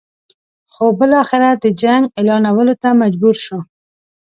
خو بالاخره د جنګ اعلانولو ته مجبور شو.